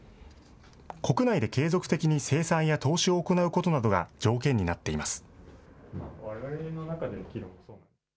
国内で継続的に生産や投資を行うことなどが条件になっています。